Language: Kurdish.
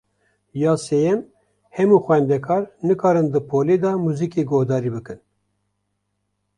Ya sêyem, hemû xwendekar nikarin di polê de li muzîkê guhdarî bikin.